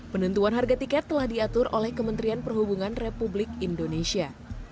penentuan harga tiket telah diatur oleh kementerian perhubungan republik indonesia